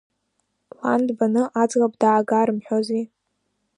Лан дбаны, аӡӷаб даага рымҳәози.